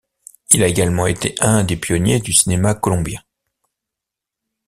Il a également été un des pionniers du cinéma colombien.